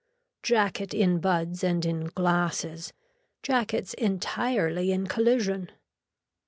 Jacket in buds and in glasses, jackets entirely in collision.